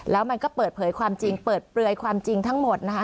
แล้วมันก็เปิดเผยความจริงเปิดเปลือยความจริงทั้งหมดนะคะ